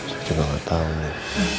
saya juga gak tau nih